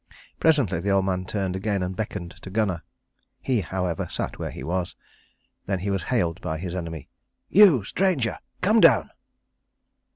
Presently the old man turned again and beckoned to Gunnar. He, however, sat where he was. Then he was hailed by his enemy. "You, stranger, come down."